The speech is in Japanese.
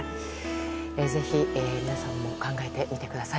ぜひ皆さんも考えてみてください。